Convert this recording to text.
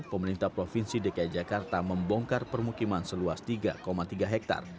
pemerintah provinsi dki jakarta membongkar permukiman seluas tiga tiga hektare